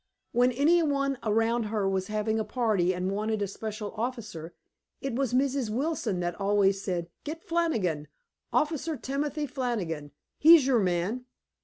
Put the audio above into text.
When any one around her was having a party and wanted a special officer, it was Mrs. Wilson that always said, Get Flannigan, Officer Timothy Flannigan. He's your man.